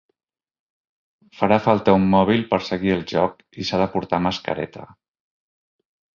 Farà falta un mòbil per seguir el joc i s’ha de portar mascareta.